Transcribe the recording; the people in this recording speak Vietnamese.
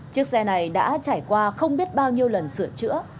chiếc xe này đã trải qua không biết bao nhiêu lần sửa chữa